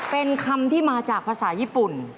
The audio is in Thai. เป็นคำที่มาจากภาษาญี่ปุ่น